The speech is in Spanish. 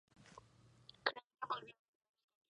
Escrito, Producido y Dirigido por Margarita Cadenas.